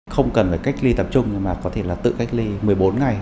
không cần phải cách ly tập trung mà có thể là tự cách ly một mươi bốn ngày